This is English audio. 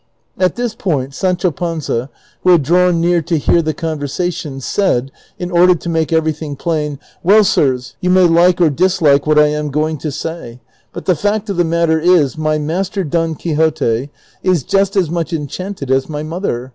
At this point Sancho Panza, who had drawn near to hear the conversation, said, in order to make everything plain, " Well, sirs, you may like or dislike what I am going to say, but the fact of the matter is, my master, Don Quixote, is just as much enchanted as my mother.